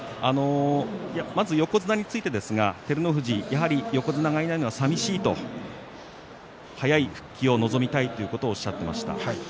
まず横綱についてですがやはり横綱がいないのは寂しい早い復帰を臨みたいと話していらっしゃいました。